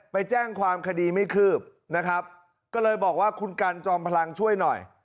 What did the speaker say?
ไปแจ้งความคดีไม่คืบนะครับก็เลยบอกว่าคุณกันจอมพลังช่วยหน่อย